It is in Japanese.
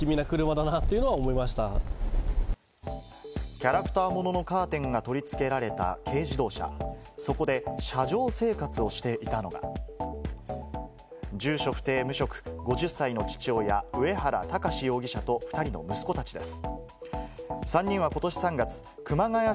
キャラクターもののカーテンが取り付けられた軽自動車、そこで車上生活をしていたのが、住所不定・無職、５０歳の父親・上原巌容疑者と２人の息子たちです。